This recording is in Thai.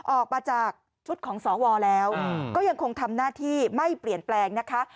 ออกมาจากชุดของสวแล้วก็ยังคงทำหน้าที่ไม่เปลี่ยนแปลงนะคะ